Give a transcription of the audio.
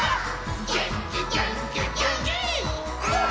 「げんきげんきげんきんー！」